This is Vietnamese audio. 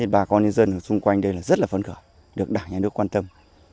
bà con nhân dân xung quanh đây rất là phấn khởi được đảng nhà nước quan tâm